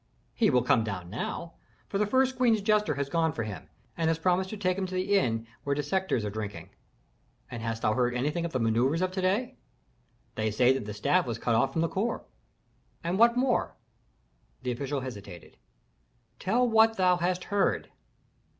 "He will come down now, for the first queen's jester has gone for him, and has promised to take him to the inn where dissectors are drinking." "And hast thou heard anything of the manœuvres of to day?" "They say that the staff was cut off from the corps." "And what more?" The official hesitated. "Tell what thou hast heard."